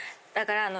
だから。